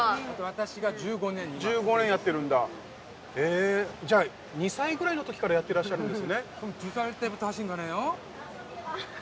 私が１５年１５年やってるんだじゃあ２歳ぐらいの時からやってらっしゃるんですね